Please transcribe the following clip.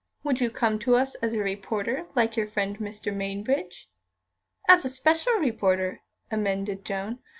Would you come to us as a reporter, like your friend Mr. Mainbridge?" "As a special reporter," amended Joan.